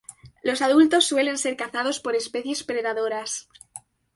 Los adultos suelen ser cazados por especies predadoras.